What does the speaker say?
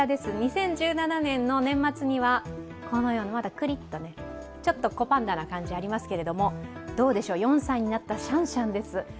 ２０１７年の年末にはこのようにまだくりっと、ちょっと子パンダの感じありますけどどうでしょう、４歳になったシャンシャンです。